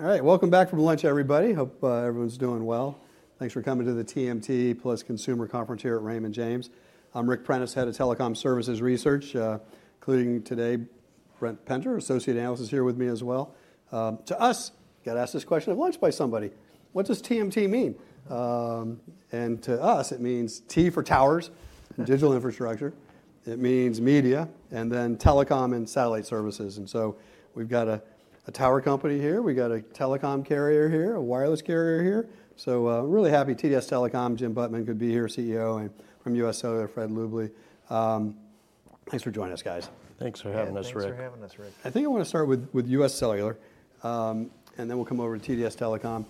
All right, welcome back from lunch, everybody. Hope everyone's doing well. Thanks for coming to the TMT Plus Consumer Conference here at Raymond James. I'm Ric Prentiss, Head of Telecom Services Research, including today, Brent Penter, Associate Analyst, is here with me as well. To us, got asked this question at lunch by somebody: What does TMT mean? And to us, it means T for Towers and Digital Infrastructure. It means Media, and then Telecom and Satellite Services. And so we've got a tower company here. We've got a telecom carrier here, a wireless carrier here. So really happy TDS Telecom, Jim Butman could be here, CEO, and from US Cellular, Laurent Therivel. Thanks for joining us, guys. Thanks for having us, Ric. Thanks for having us, Ric. I think I want to start with US Cellular, and then we'll come over to TDS Telecom.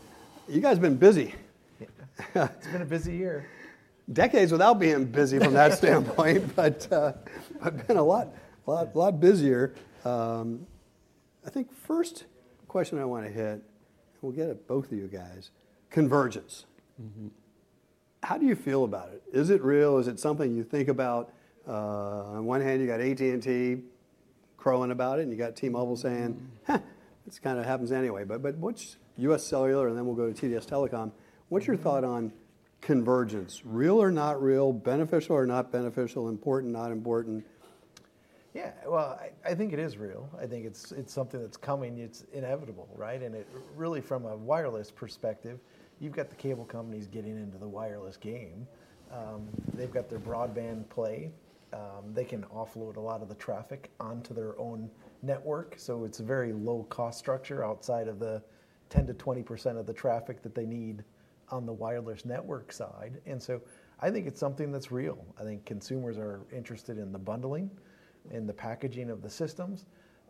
You guys have been busy. It's been a busy year. Decades without being busy from that standpoint, but been a lot busier. I think first question I want to hit, and we'll get it, both of you guys, convergence. How do you feel about it? Is it real? Is it something you think about? On one hand, you got AT&T crowing about it, and you got T-Mobile saying, "Heh, this kind of happens anyway." But US Cellular, and then we'll go to TDS Telecom. What's your thought on convergence? Real or not real? Beneficial or not beneficial? Important, not important? Yeah, well, I think it is real. I think it's something that's coming. It's inevitable, right? And really, from a wireless perspective, you've got the cable companies getting into the wireless game. They've got their broadband play. They can offload a lot of the traffic onto their own network. So it's a very low-cost structure outside of the 10% to 20% of the traffic that they need on the wireless network side. And so I think it's something that's real. I think consumers are interested in the bundling and the packaging of the systems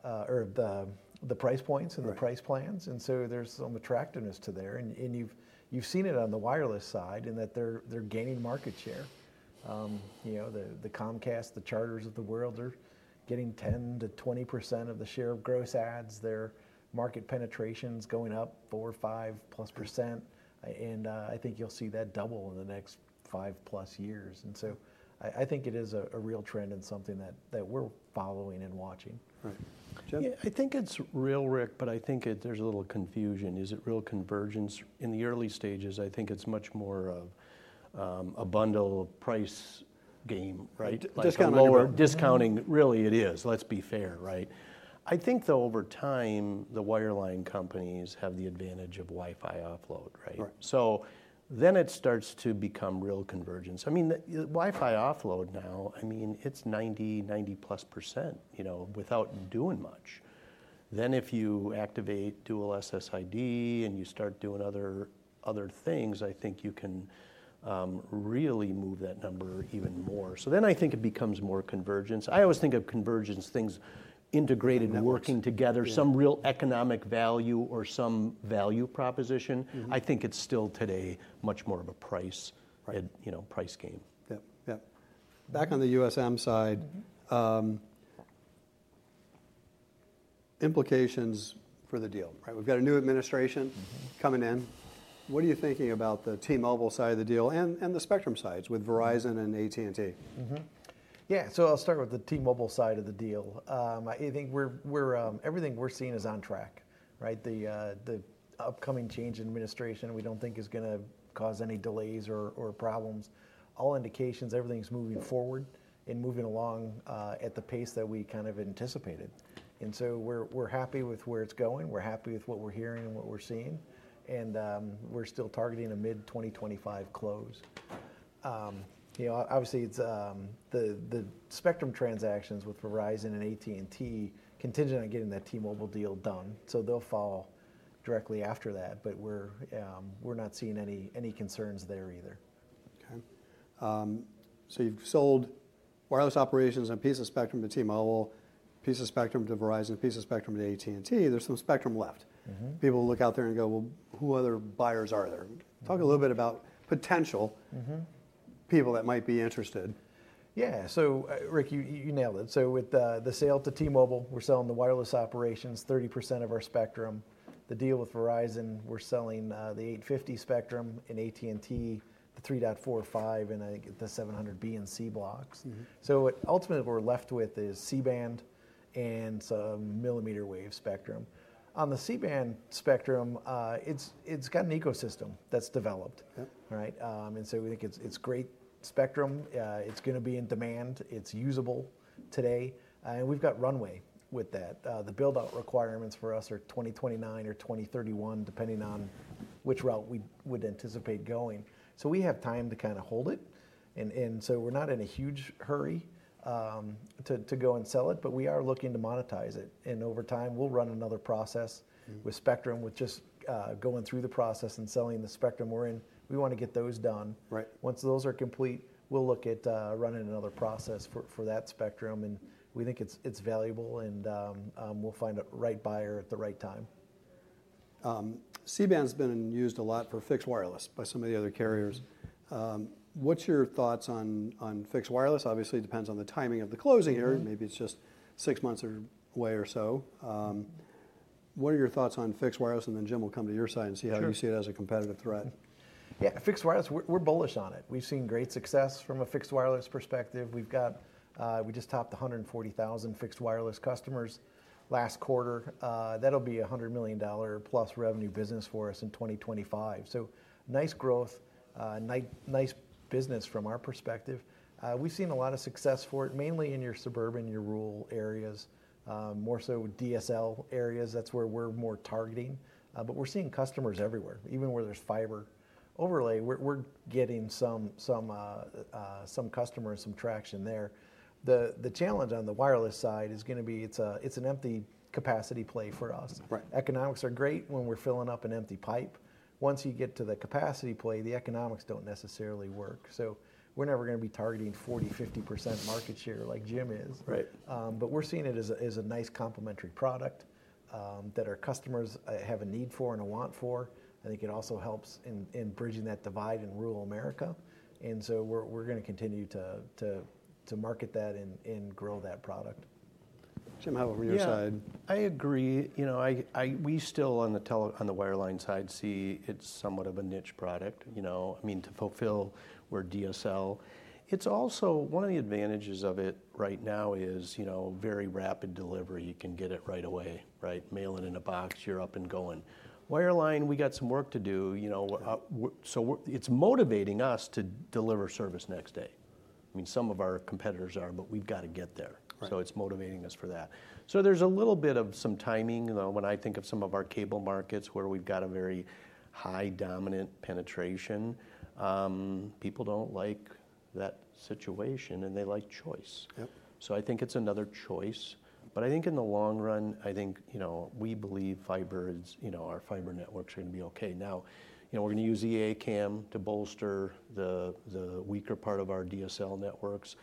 or the price points and the price plans. And so there's some attractiveness to there. And you've seen it on the wireless side in that they're gaining market share. The Comcast, the Charters of the world, are getting 10% to 20% of the share of gross adds. Their market penetration's going up 4%, 5%, plus percent. And I think you'll see that double in the next five-plus years. And so I think it is a real trend and something that we're following and watching. Right. Yeah, I think it's real, Ric, but I think there's a little confusion. Is it real convergence? In the early stages, I think it's much more of a bundle price game, right? Discounting? Discounting, really, it is, let's be fair, right? I think, though, over time, the wireline companies have the advantage of Wi-Fi offload, right? So then it starts to become real convergence. I mean, Wi-Fi offload now, I mean, it's 90%, 90% plus % without doing much. Then if you activate dual SSID and you start doing other things, I think you can really move that number even more. So then I think it becomes more convergence. I always think of convergence as things integrated, working together, some real economic value or some value proposition. I think it's still today much more of a price game. Yep, yep. Back on the USM side, implications for the deal, right? We've got a new administration coming in. What are you thinking about the T-Mobile side of the deal and the spectrum sides with Verizon and AT&T? Yeah, so I'll start with the T-Mobile side of the deal. I think everything we're seeing is on track, right? The upcoming change in administration, we don't think, is going to cause any delays or problems. All indications, everything's moving forward and moving along at the pace that we kind of anticipated, and so we're happy with where it's going. We're happy with what we're hearing and what we're seeing, and we're still targeting a mid-2025 close. Obviously, the spectrum transactions with Verizon and AT&T are contingent on getting that T-Mobile deal done, so they'll fall directly after that, but we're not seeing any concerns there either. Okay, so you've sold wireless operations and a piece of spectrum to T-Mobile, a piece of spectrum to Verizon, a piece of spectrum to AT&T. There's some spectrum left. People look out there and go, "Well, who other buyers are there?" Talk a little bit about potential people that might be interested. Yeah, so Ric, you nailed it. So with the sale to T-Mobile, we're selling the wireless operations, 30% of our spectrum. The deal with Verizon, we're selling the 850 spectrum and AT&T, the 3.45 and I think the 700B and C blocks. So ultimately, what we're left with is C-band and some millimeter wave spectrum. On the C-band spectrum, it's got an ecosystem that's developed, right? And so we think it's great spectrum. It's going to be in demand. It's usable today. And we've got runway with that. The build-out requirements for us are 2029 or 2031, depending on which route we would anticipate going. So we have time to kind of hold it. And so we're not in a huge hurry to go and sell it, but we are looking to monetize it. And over time, we'll run another process with Spectrum, with just going through the process and selling the Spectrum we're in. We want to get those done. Once those are complete, we'll look at running another process for that Spectrum. And we think it's valuable, and we'll find a right buyer at the right time. C-band's been used a lot for fixed wireless by some of the other carriers. What's your thoughts on fixed wireless? Obviously, it depends on the timing of the closing here. Maybe it's just six months away or so. What are your thoughts on fixed wireless? And then Jim will come to your side and see how you see it as a competitive threat. Yeah, fixed wireless, we're bullish on it. We've seen great success from a fixed wireless perspective. We just topped 140,000 fixed wireless customers last quarter. That'll be a $100 million-plus revenue business for us in 2025. So nice growth, nice business from our perspective. We've seen a lot of success for it, mainly in your suburban, your rural areas, more so DSL areas. That's where we're more targeting. But we're seeing customers everywhere, even where there's fiber overlay. We're getting some customers, some traction there. The challenge on the wireless side is going to be it's an empty capacity play for us. Economics are great when we're filling up an empty pipe. Once you get to the capacity play, the economics don't necessarily work. So we're never going to be targeting 40%, 50% market share like Jim is. But we're seeing it as a nice complementary product that our customers have a need for and a want for. I think it also helps in bridging that divide in rural America. And so we're going to continue to market that and grow that product. Jim, how about from your side? Yeah, I agree. We still, on the wireline side, see it's somewhat of a niche product. I mean, to fulfill where DSL, it's also one of the advantages of it right now is very rapid delivery. You can get it right away, right? Mail it in a box. You're up and going. Wireline, we got some work to do. So it's motivating us to deliver service next day. I mean, some of our competitors are, but we've got to get there. So it's motivating us for that. So there's a little bit of some timing when I think of some of our cable markets where we've got a very high dominant penetration. People don't like that situation, and they like choice. So I think it's another choice. But I think in the long run, I think we believe fiber, our fiber networks are going to be okay. Now, we're going to use E-ACAM to bolster the weaker part of our DSL networks.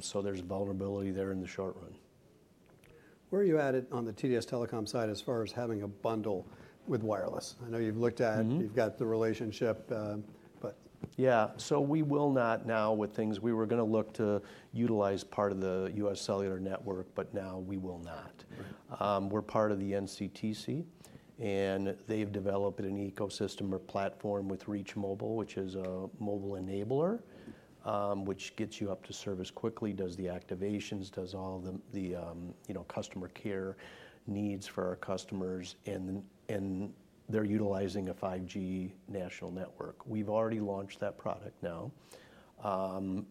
So there's vulnerability there in the short run. Where are you at on the TDS Telecom side as far as having a bundle with wireless? I know you've looked at it. You've got the relationship, but. Yeah, so we will not now with things. We were going to look to utilize part of the US Cellular network, but now we will not. We're part of the NCTC, and they've developed an ecosystem or platform with Reach Mobile, which is a mobile enabler, which gets you up to service quickly, does the activations, does all the customer care needs for our customers, and they're utilizing a 5G national network. We've already launched that product now.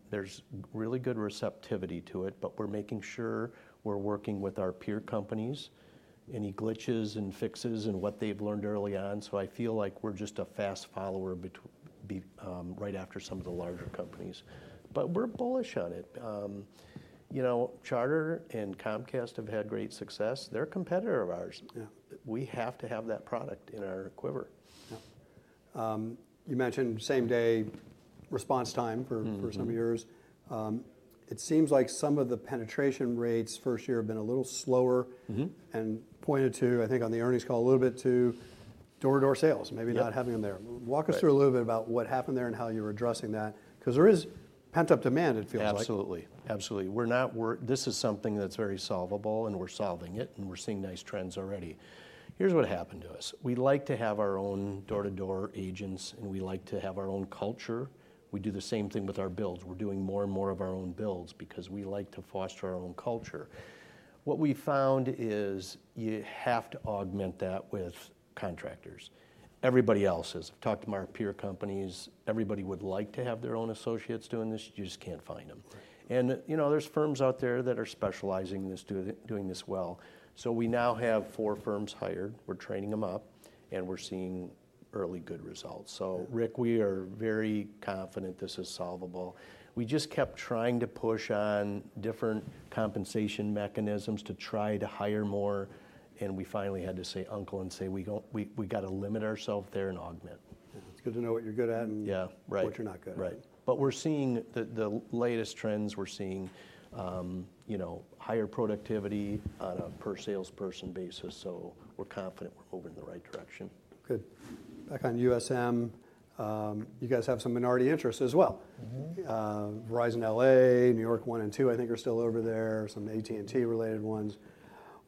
There's really good receptivity to it, but we're making sure we're working with our peer companies, any glitches and fixes and what they've learned early on, so I feel like we're just a fast follower right after some of the larger companies, but we're bullish on it. Charter and Comcast have had great success. They're a competitor of ours. We have to have that product in our quiver. You mentioned same-day response time for some of yours. It seems like some of the penetration rates first year have been a little slower and pointed to, I think on the earnings call a little bit to door-to-door sales, maybe not having them there. Walk us through a little bit about what happened there and how you're addressing that, because there is pent-up demand, it feels like. Absolutely. Absolutely. This is something that's very solvable, and we're solving it, and we're seeing nice trends already. Here's what happened to us. We like to have our own door-to-door agents, and we like to have our own culture. We do the same thing with our builds. We're doing more and more of our own builds because we like to foster our own culture. What we found is you have to augment that with contractors. Everybody else is. I've talked to my peer companies. Everybody would like to have their own associates doing this. You just can't find them. And there's firms out there that are specializing in this, doing this well. So we now have four firms hired. We're training them up, and we're seeing early good results. So Ric, we are very confident this is solvable. We just kept trying to push on different compensation mechanisms to try to hire more, and we finally had to say uncle and say we got to limit ourselves there and augment. It's good to know what you're good at and what you're not good at. Right. But we're seeing the latest trends. We're seeing higher productivity on a per salesperson basis. So we're confident we're moving in the right direction. Good. Back on USM, you guys have some minority interests as well. Verizon LA, New York One and Two, I think, are still over there. Some AT&T-related ones.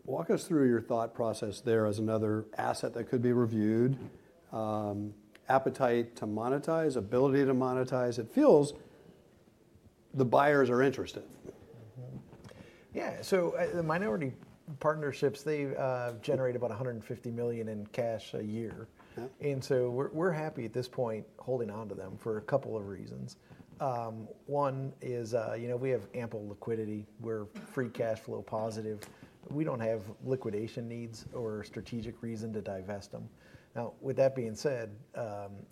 Walk us through your thought process there as another asset that could be reviewed. Appetite to monetize, ability to monetize. It feels the buyers are interested. Yeah, so the minority partnerships, they generate about $150 million in cash a year. And so we're happy at this point holding on to them for a couple of reasons. One is we have ample liquidity. We're free cash flow positive. We don't have liquidation needs or a strategic reason to divest them. Now, with that being said,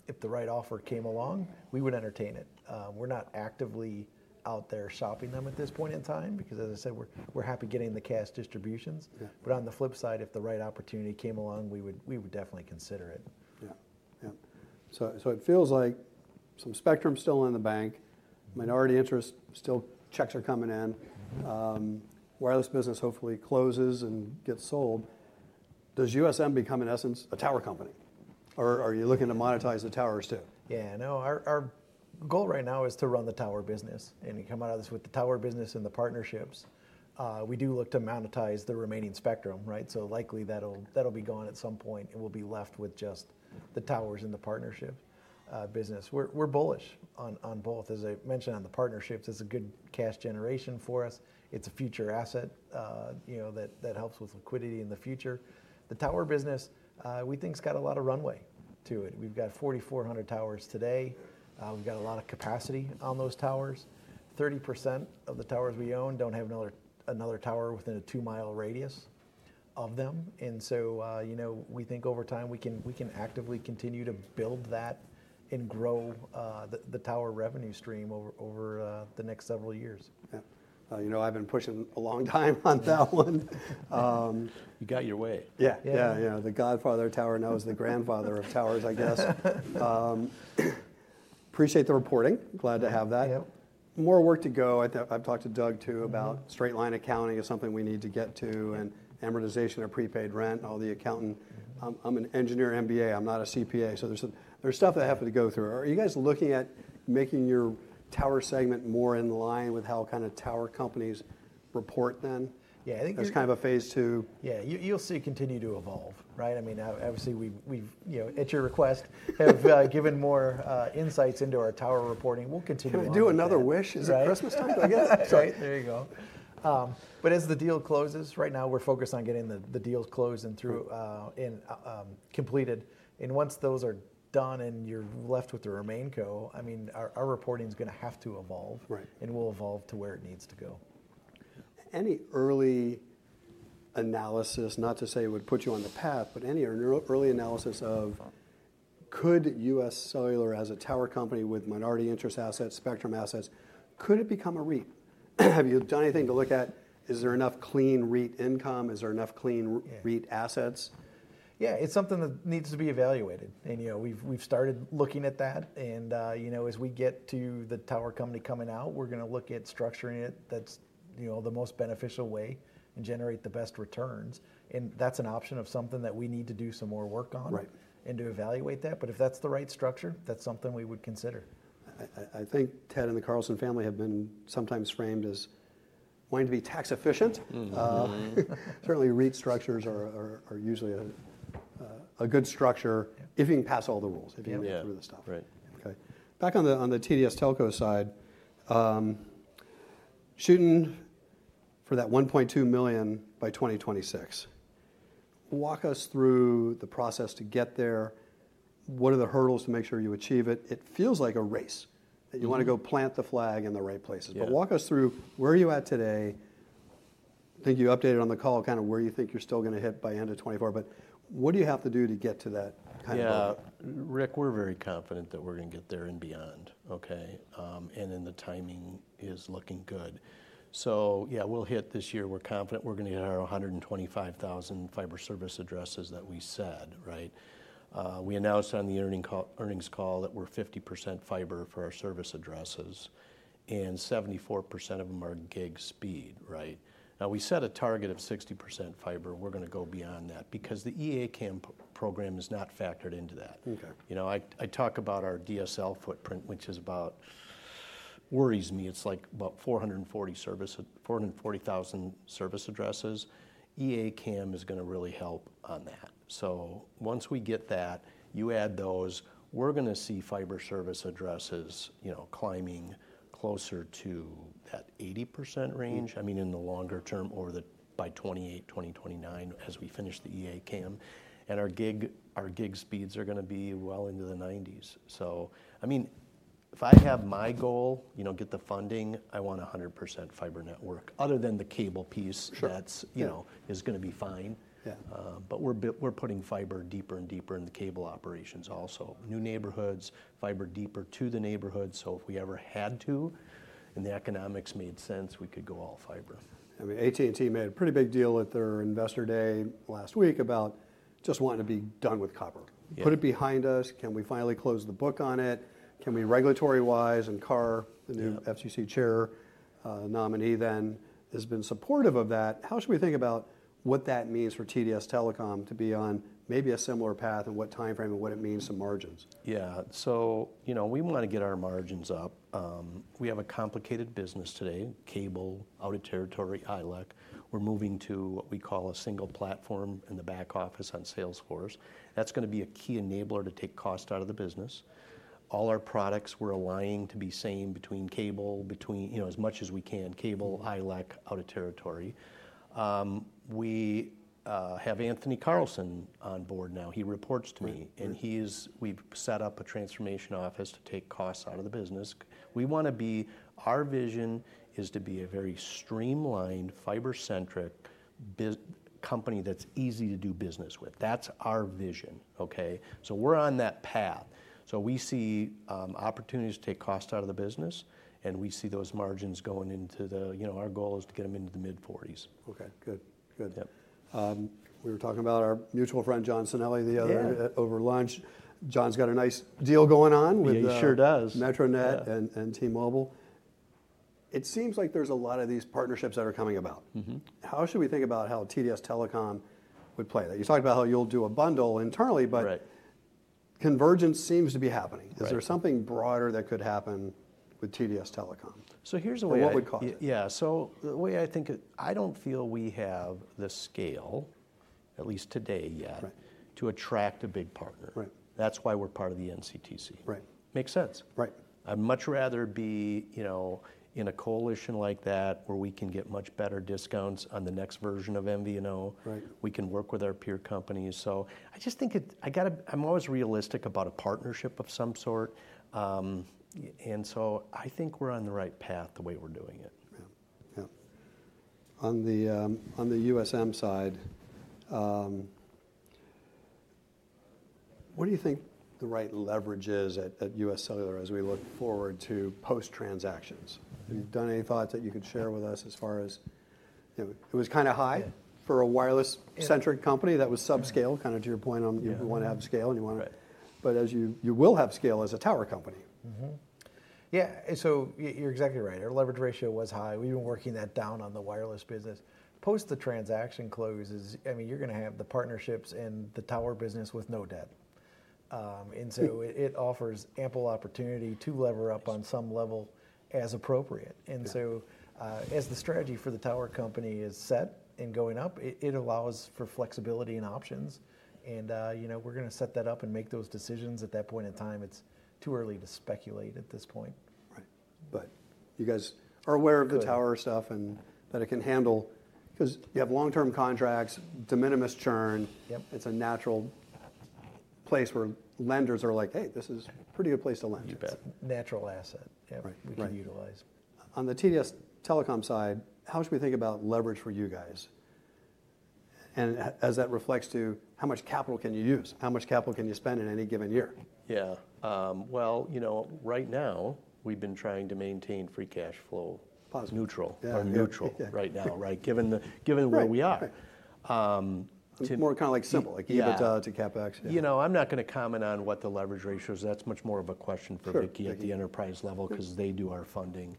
if the right offer came along, we would entertain it. We're not actively out there shopping them at this point in time because, as I said, we're happy getting the cash distributions. But on the flip side, if the right opportunity came along, we would definitely consider it. Yeah, yeah. So it feels like some spectrum still in the bank, minority interest, still checks are coming in. Wireless business hopefully closes and gets sold. Does USM become, in essence, a tower company? Or are you looking to monetize the towers too? Yeah, no, our goal right now is to run the tower business, and you come out of this with the tower business and the partnerships. We do look to monetize the remaining spectrum, right, so likely that'll be gone at some point. It will be left with just the towers and the partnership business. We're bullish on both. As I mentioned, on the partnerships, it's a good cash generation for us. It's a future asset that helps with liquidity in the future. The tower business, we think it's got a lot of runway to it. We've got 4,400 towers today. We've got a lot of capacity on those towers. 30% of the towers we own don't have another tower within a two-mile radius of them, and so we think over time we can actively continue to build that and grow the tower revenue stream over the next several years. Yeah. You know, I've been pushing a long time on that one. You got your way. Yeah. Yeah, yeah. The godfather of tower knows the grandfather of towers, I guess. Appreciate the reporting. Glad to have that. More work to go. I've talked to Doug too about straight-line accounting is something we need to get to and amortization of prepaid rent, all the accounting. I'm an engineer MBA. I'm not a CPA. So there's stuff that happened to go through. Are you guys looking at making your tower segment more in line with how kind of tower companies report then? Yeah, I think. That's kind of a phase two. Yeah, you'll see continue to evolve, right? I mean, obviously, at your request, have given more insights into our tower reporting. We'll continue on. Can we do another wish? Is it Christmas time? There you go. But as the deal closes, right now we're focused on getting the deals closed and completed. And once those are done and you're left with the remainder, I mean, our reporting is going to have to evolve, and we'll evolve to where it needs to go. Any early analysis, not to say it would put you on the path, but any early analysis of could US Cellular as a tower company with minority interest assets, Spectrum assets, could it become a REIT? Have you done anything to look at is there enough clean REIT income? Is there enough clean REIT assets? Yeah, it's something that needs to be evaluated. And we've started looking at that. And as we get to the tower company coming out, we're going to look at structuring it that's the most beneficial way and generate the best returns. And that's an option of something that we need to do some more work on and to evaluate that. But if that's the right structure, that's something we would consider. I think Ted and the Carlson family have been sometimes framed as wanting to be tax efficient. Certainly, REIT structures are usually a good structure if you can pass all the rules, if you can get through this stuff. Okay. Back on the TDS Telecom side, shooting for that 1.2 million by 2026. Walk us through the process to get there. What are the hurdles to make sure you achieve it? It feels like a race that you want to go plant the flag in the right places. But walk us through where you at today. I think you updated on the call kind of where you think you're still going to hit by end of 2024. But what do you have to do to get to that kind of level? Yeah, Ric, we're very confident that we're going to get there and beyond, okay? And then the timing is looking good. So yeah, we'll hit this year. We're confident we're going to hit our 125,000 fiber service addresses that we said, right? We announced on the earnings call that we're 50% fiber for our service addresses, and 74% of them are gig speed, right? Now, we set a target of 60% fiber. We're going to go beyond that because the E-ACAM program is not factored into that. I talk about our DSL footprint, which worries me. It's like about 440,000 service addresses. E-A CAM is going to really help on that. So once we get that, you add those, we're going to see fiber service addresses climbing closer to that 80% range. I mean, in the longer term or by 2028, 2029 as we finish the E-A CAM. And our gig speeds are going to be well into the 90s%. So I mean, if I have my goal, get the funding, I want 100% fiber network other than the cable piece that is going to be fine. But we're putting fiber deeper and deeper in the cable operations also. New neighborhoods, fiber deeper to the neighborhoods. So if we ever had to and the economics made sense, we could go all fiber. I mean, AT&T made a pretty big deal at their investor day last week about just wanting to be done with copper. Put it behind us. Can we finally close the book on it? Can we, regulatory-wise? And Carr, the new FCC Chairman nominee, has been supportive of that. How should we think about what that means for TDS Telecom to be on maybe a similar path and what timeframe and what it means to margins? Yeah. So we want to get our margins up. We have a complicated business today, cable, out of territory, ILEC. We're moving to what we call a single platform in the back office on Salesforce. That's going to be a key enabler to take cost out of the business. All our products we're aligning to be same between cable, between as much as we can, cable, ILEC, out of territory. We have Andrew Carlson on board now. He reports to me, and we've set up a transformation office to take costs out of the business. We want to be. Our vision is to be a very streamlined, fiber-centric company that's easy to do business with. That's our vision, okay? So we're on that path. So we see opportunities to take cost out of the business, and we see those margins going into the low 40s. Our goal is to get them into the mid-40s. Okay. Good. Good. We were talking about our mutual friend, John Cinelli, the other day over lunch. John's got a nice deal going on...... He sure does. With MetroNet and T-Mobile. It seems like there's a lot of these partnerships that are coming about. How should we think about how TDS Telecom would play that? You talked about how you'll do a bundle internally, but convergence seems to be happening. Is there something broader that could happen with TDS Telecom? Here's a way I think. What would cost it? Yeah. So the way I think it, I don't feel we have the scale, at least today yet, to attract a big partner. That's why we're part of the NCTC. Makes sense. I'd much rather be in a coalition like that where we can get much better discounts on the next version of MVNO. We can work with our peer companies. So I just think I'm always realistic about a partnership of some sort. And so I think we're on the right path the way we're doing it. Yeah. Yeah. On the USM side, what do you think the right leverage is at US Cellular as we look forward to post-transactions? Have you done any thoughts that you could share with us as far as it was kind of high for a wireless-centric company that was subscale, kind of to your point on you want to have scale and you want to but as you will have scale as a tower company. Yeah. So you're exactly right. Our leverage ratio was high. We've been working that down on the wireless business. Post the transaction closes, I mean, you're going to have the partnerships and the tower business with no debt. And so it offers ample opportunity to lever up on some level as appropriate. And so as the strategy for the tower company is set and going up, it allows for flexibility and options. And we're going to set that up and make those decisions at that point in time. It's too early to speculate at this point. Right. But you guys are aware of the tower stuff and that it can handle because you have long-term contracts, de minimis churn. It's a natural place where lenders are like, "Hey, this is a pretty good place to lend. It's a natural asset we can utilize. On the TDS Telecom side, how should we think about leverage for you guys? And as that reflects to how much capital can you use? How much capital can you spend in any given year? Yeah, well, you know, right now we've been trying to maintain free cash flow neutral or neutral right now, right? Given where we are. More kind of like simple. Like EBITDA to CapEx. You know I'm not going to comment on what the leverage ratio is. That's much more of a question for Vicki at the enterprise level because they do our funding.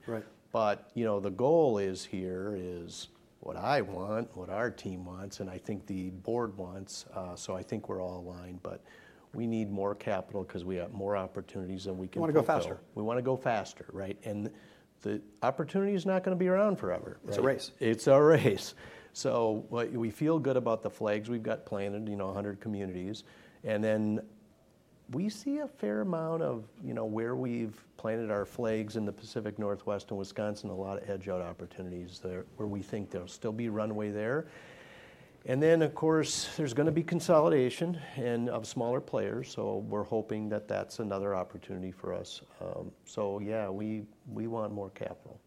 But the goal is, here is what I want, what our team wants, and I think the board wants. So I think we're all aligned. But we need more capital because we have more opportunities than we can fix. We want to go faster. We want to go faster, right, and the opportunity is not going to be around forever. It's a race. It's a race, so we feel good about the flags we've got planted, 100 communities, and then we see a fair amount of where we've planted our flags in the Pacific Northwest and Wisconsin, a lot of edge-out opportunities there where we think there'll still be runway there, and then, of course, there's going to be consolidation of smaller players, so we're hoping that that's another opportunity for us, so yeah, we want more capital.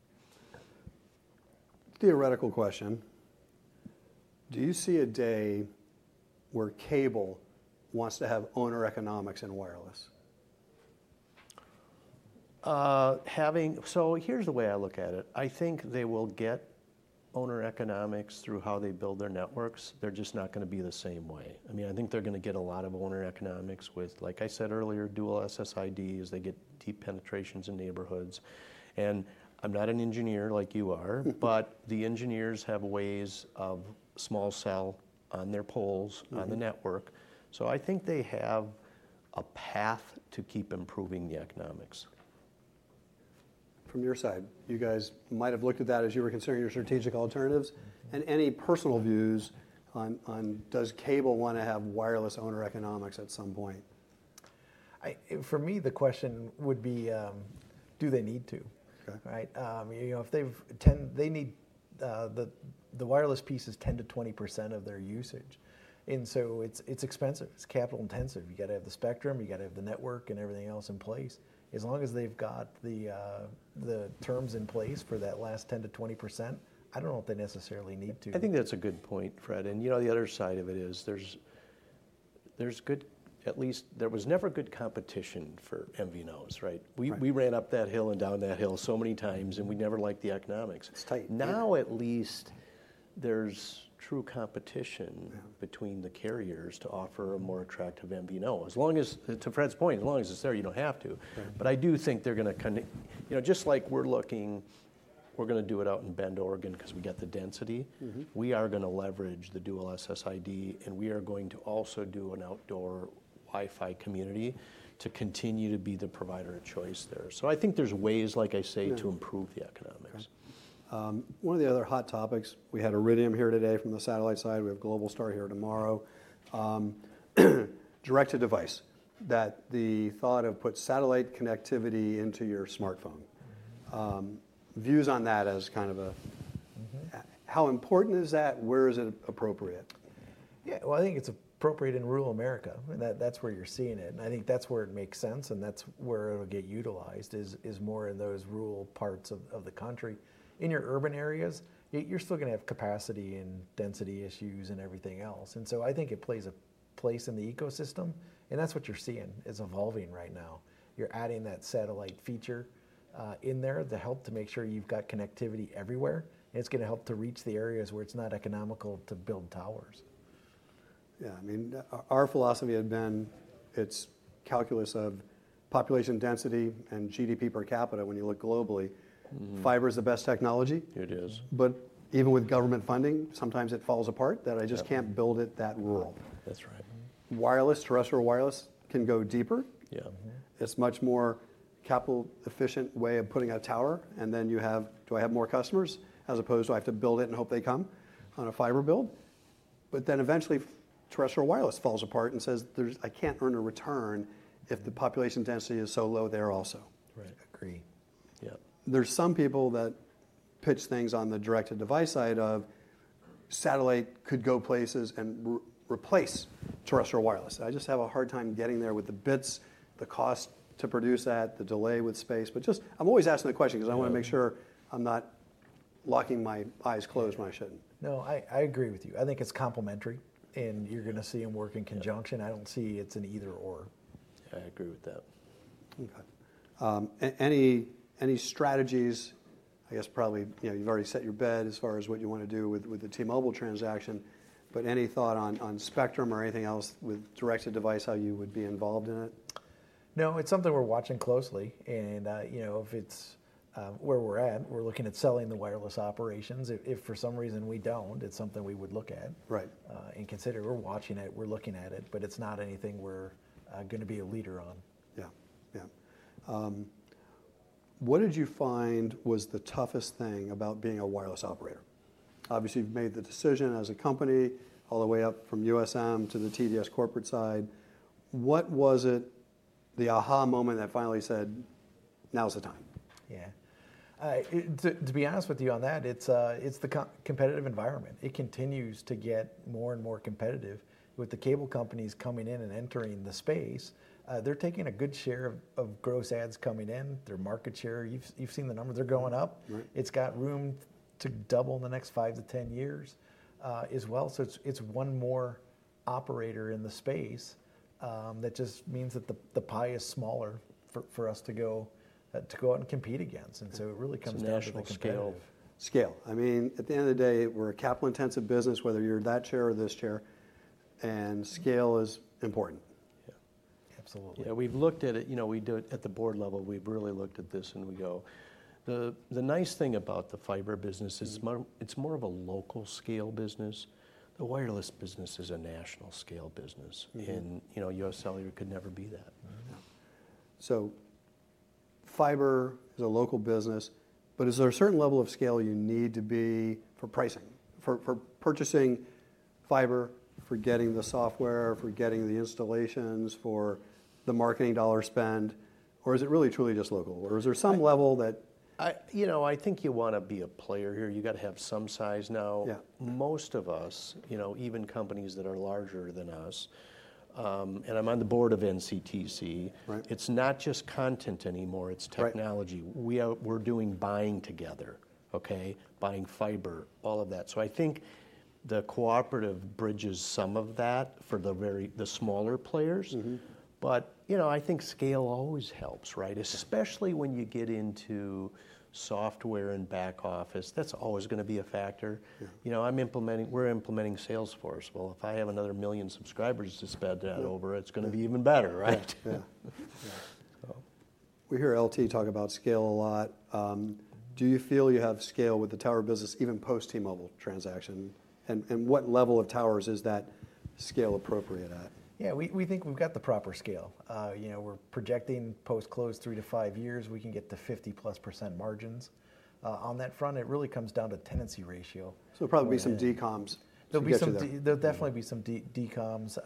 Theoretical question. Do you see a day where cable wants to have owner economics in wireless? So here's the way I look at it. I think they will get owner economics through how they build their networks. They're just not going to be the same way. I mean, I think they're going to get a lot of owner economics with, like I said earlier, dual SSIDs. They get deep penetrations in neighborhoods. And I'm not an engineer like you are, but the engineers have ways of small cell on their poles on the network. So I think they have a path to keep improving the economics. From your side, you guys might have looked at that as you were considering your strategic alternatives, and any personal views on does cable want to have wireless owner economics at some point? For me, the question would be, do they need to, right? If they need the wireless piece is 10%-20% of their usage. And so it's expensive. It's capital intensive. You got to have the spectrum. You got to have the network and everything else in place. As long as they've got the terms in place for that last 10%-20%, I don't know if they necessarily need to. I think that's a good point, Brent, and you know the other side of it is there's good, at least there was never good competition for MVNOs, right? We ran up that hill and down that hill so many times, and we never liked the economics. Now, at least there's true competition between the carriers to offer a more attractive MVNO. As long as, to Brent's point, as long as it's there, you don't have to, but I do think they're going to just like we're looking, we're going to do it out in Bend, Oregon because we got the density. We are going to leverage the dual SSID, and we are going to also do an outdoor Wi-Fi community to continue to be the provider of choice there, so I think there's ways, like I say, to improve the economics. One of the other hot topics, we had an Iridium here today from the satellite side. We have Globalstar here tomorrow. Direct-to-device, the thought of putting satellite connectivity into your smartphone. Views on that as kind of a how important is that? Where is it appropriate? Yeah. Well, I think it's appropriate in rural America. That's where you're seeing it. And I think that's where it makes sense, and that's where it'll get utilized is more in those rural parts of the country. In your urban areas, you're still going to have capacity and density issues and everything else. And so I think it plays a place in the ecosystem. And that's what you're seeing is evolving right now. You're adding that satellite feature in there to help to make sure you've got connectivity everywhere. And it's going to help to reach the areas where it's not economical to build towers. Yeah. I mean, our philosophy had been it's calculus of population density and GDP per capita. When you look globally, fiber is the best technology. It is. But even with government funding, sometimes it falls apart that I just can't build it that rural. That's right. Wireless, terrestrial wireless can go deeper. Yeah. It's much more capital efficient way of putting a tower. And then you have, do I have more customers as opposed to I have to build it and hope they come on a fiber build? But then eventually, terrestrial wireless falls apart and says, I can't earn a return if the population density is so low there also. Right. Agree. Yeah. There's some people that pitch things on the direct-to-device side of satellite could go places and replace terrestrial wireless. I just have a hard time getting there with the bits, the cost to produce that, the delay with space. But just I'm always asking the question because I want to make sure I'm not locking my eyes closed when I shouldn't. No, I agree with you. I think it's complementary, and you're going to see them work in conjunction. I don't see it's an either/or. I agree with that. Okay. Any strategies? I guess probably you've already made your bed as far as what you want to do with the T-Mobile transaction. But any thought on spectrum or anything else with direct-to-device, how you would be involved in it? No, it's something we're watching closely. And if it's where we're at, we're looking at selling the wireless operations. If for some reason we don't, it's something we would look at and consider. We're watching it. We're looking at it. But it's not anything we're going to be a leader on. Yeah. Yeah. What did you find was the toughest thing about being a wireless operator? Obviously, you've made the decision as a company all the way up from USM to the TDS corporate side. What was it, the aha moment that finally said, now's the time? Yeah. To be honest with you on that, it's the competitive environment. It continues to get more and more competitive. With the cable companies coming in and entering the space, they're taking a good share of gross adds coming in. Their market share, you've seen the numbers, they're going up. It's got room to double in the next five to 10 years as well. So it's one more operator in the space that just means that the pie is smaller for us to go out and compete against. And so it really comes down to the scale. Scale. I mean, at the end of the day, we're a capital-intensive business, whether you're that chair or this chair, and scale is important. Yeah. Absolutely. Yeah. We've looked at it. You know we do it at the board level. We've really looked at this and we go. The nice thing about the fiber business, it's more of a local scale business. The wireless business is a national scale business. And US Cellular could never be that. So fiber is a local business, but is there a certain level of scale you need to be for pricing, for purchasing fiber, for getting the software, for getting the installations, for the marketing dollar spend? Or is it really, truly just local? Or is there some level that? You know, I think you want to be a player here. You got to have some size now. Most of us, even companies that are larger than us, and I'm on the board of NCTC, it's not just content anymore. It's technology. We're doing buying together, okay? Buying fiber, all of that. So I think the cooperative bridges some of that for the smaller players. But you know, I think scale always helps, right? Especially when you get into software and back office, that's always going to be a factor. You know, I'm implementing, we're implementing Salesforce. Well, if I have another million subscribers to spread that over, it's going to be even better, right? Yeah. We hear LT talk about scale a lot. Do you feel you have scale with the tower business even post-T-Mobile transaction? And what level of towers is that scale appropriate at? Yeah. We think we've got the proper scale. We're projecting post-close three to five years, we can get to 50-plus% margins. On that front, it really comes down to tenancy ratio. So there'll probably be some decoms There'll definitely be some decoms,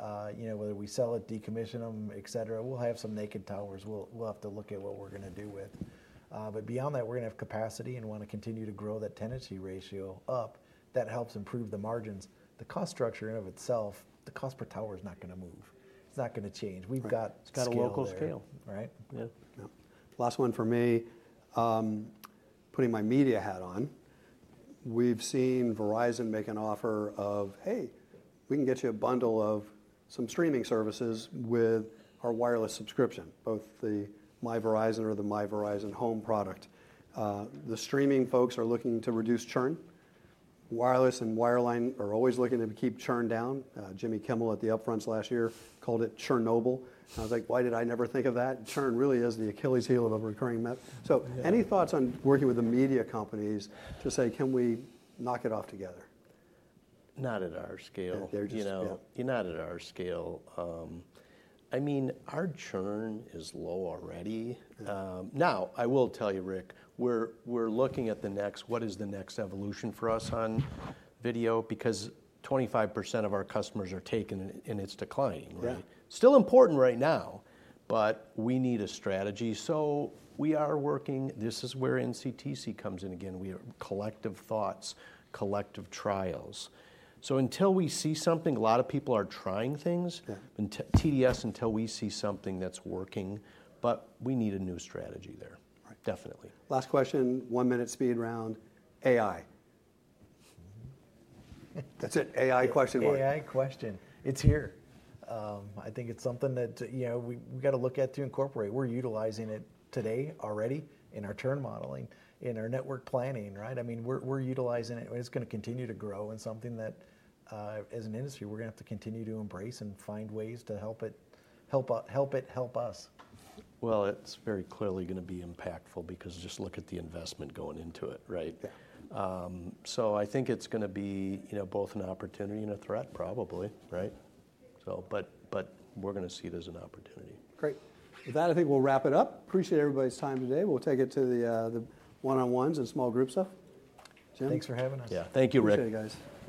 whether we sell it, decommission them, et cetera. We'll have some naked towers. We'll have to look at what we're going to do with. But beyond that, we're going to have capacity and want to continue to grow that tenancy ratio up. That helps improve the margins. The cost structure in and of itself, the cost per tower is not going to move. It's not going to change. We've got a little bit of. It's got a local scale. Right? Yeah. Yeah. Last one for me, putting my media hat on. We've seen Verizon make an offer of, hey, we can get you a bundle of some streaming services with our wireless subscription, both the My Verizon or the My Verizon Home product. The streaming folks are looking to reduce churn. Wireless and wireline are always looking to keep churn down. Jimmy Kimmel at the upfronts last year called it Churnobyl. I was like, why did I never think of that? Churn really is the Achilles heel of a recurring method. So any thoughts on working with the media companies to say, can we knock it off together? Not at our scale. You're not at our scale. I mean, our churn is low already. Now, I will tell you, Ric, we're looking at the next, what is the next evolution for us on video? Because 25% of our customers are taken and it's declining, right? Still important right now, but we need a strategy. So we are working. This is where NCTC comes in again. We have collective thoughts, collective trials. So until we see something, a lot of people are trying things. TDS, until we see something that's working. But we need a new strategy there. Definitely. Last question, one minute speed round. AI. That's it. AI question one. AI question. It's here. I think it's something that we've got to look at to incorporate. We're utilizing it today already in our churn modeling, in our network planning, right? I mean, we're utilizing it. It's going to continue to grow and something that, as an industry, we're going to have to continue to embrace and find ways to help it help us. Well, it's very clearly going to be impactful because just look at the investment going into it, right? So I think it's going to be both an opportunity and a threat, probably, right? But we're going to see it as an opportunity. Great. With that, I think we'll wrap it up. Appreciate everybody's time today. We'll take it to the one-on-ones and small group stuff. Jim? Thanks for having us. Yeah. Thank you, Ric. Appreciate you guys.